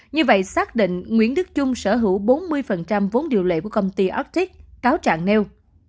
như vậy xác định nguyễn đức trung sở hữu bốn mươi vốn điều lệ của công ty ortic cáo trạng nêu